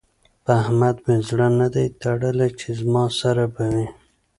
په احمد مې زړه نه دی تړلی چې زما سره به وي.